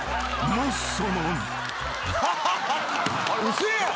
嘘やん！？